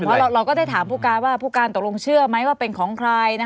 เพราะเราก็ได้ถามผู้การว่าผู้การตกลงเชื่อไหมว่าเป็นของใคร